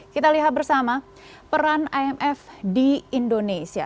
kita lihat bersama peran imf di indonesia